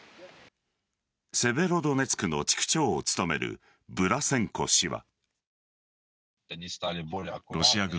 セベロドネツクの地区長を務めるブラセンコ氏は。